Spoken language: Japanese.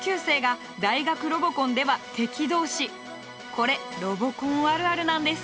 これロボコンあるあるなんです。